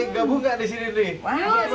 saya boleh gabung nggak di sini nih